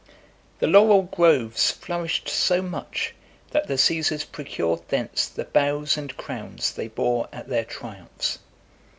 The laurel groves flourished so much, that the Caesars procured thence the boughs and crowns they bore at their triumphs.